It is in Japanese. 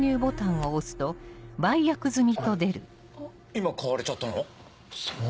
今買われちゃったの？